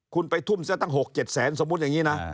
คุณไปทุ่มซะตั้ง๖๗แสนสมมุติอย่างนี้นะ